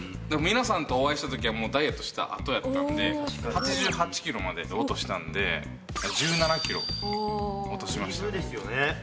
でも皆さんとお会いしたときはもうダイエットしたあとやったんで８８ｋｇまで落としたんで１７ｋｇ落としましたね